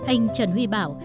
anh trần huy bảo